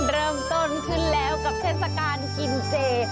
เริ่มต้นขึ้นแล้วกับเทศกาลกินเจ